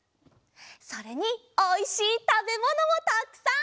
それにおいしいたべものもたくさん！